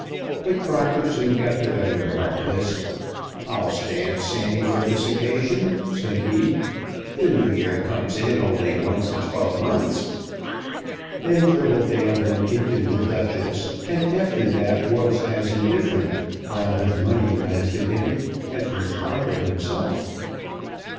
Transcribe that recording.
But Crocker soon got the better of all this. "I'll stand Sammy for this occasion," said he. "The New Year comes in only once in twelve months." Then Tribbledale went into "The Duchess," and after that was as indifferent, while his money lasted him, as was Crocker himself.